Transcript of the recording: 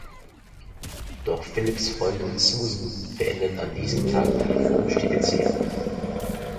Doch Philips Freundin Susan beendet an diesem Tag telefonisch die Beziehung.